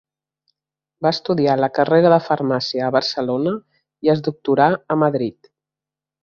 Va estudiar la carrera de Farmàcia a Barcelona i es doctorà a Madrid.